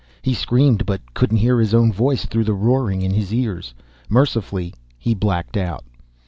He screamed but couldn't hear his own voice through the roaring in his ears. Mercifully he blacked out.